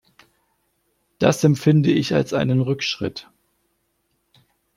Das empfinde ich als einen Rückschritt.